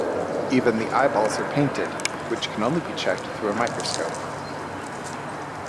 Even the eyeballs are painted, which can only be checked through microscope.